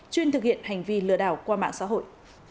chuyên thực hiện hành vi lừa đảo qua mạng xã hội